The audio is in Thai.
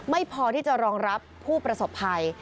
ไม่พอที่จะรองรับผู้ประสบภัย